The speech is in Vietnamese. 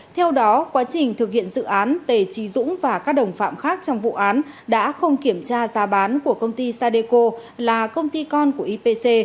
theo đó quá trình thực hiện dự án tề trí dũng và các đồng phạm khác trong vụ án đã không kiểm tra giá bán của công ty sadeco là công ty con của ipc